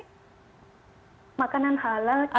makanan halal kita lebih pilih untuk masak sendiri ya